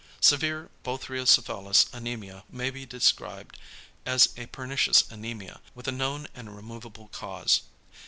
Severe Bothriocephalus anæmia may be described as a pernicious anæmia, with a known and removable cause.